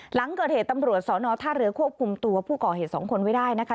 หลังเกิดเหตุตำรวจสอนอท่าเรือควบคุมตัวผู้ก่อเหตุสองคนไว้ได้นะคะ